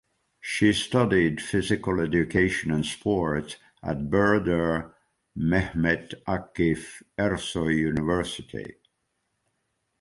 She studied Physical Education and Sport at Burdur Mehmet Akif Ersoy University.